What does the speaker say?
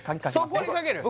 そこにかけるの？